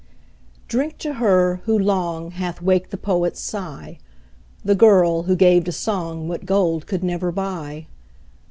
Drink to her, who long, Hath waked the poet's sigh. The girl, who gave to song What gold could never buy.